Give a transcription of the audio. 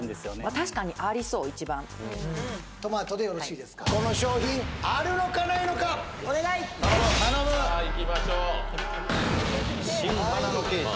確かにありそう一番とまとでよろしいですかこの商品あるのかないのかお願い頼む真・花の慶次